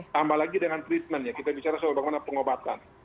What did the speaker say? sama lagi dengan treatmentnya kita bicara soal bagaimana pengobatan